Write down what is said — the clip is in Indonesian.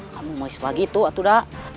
kamu mau sebagi itu atau tidak